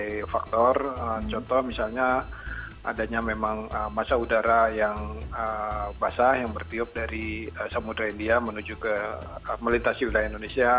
sebagai faktor contoh misalnya adanya memang masa udara yang basah yang bertiup dari samudera india menuju ke melintasi wilayah indonesia